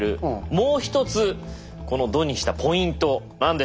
もう一つこの弩にしたポイント何でしょう？